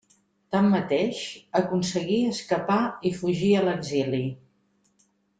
Tanmateix, aconseguí escapar i fugir a l'exili.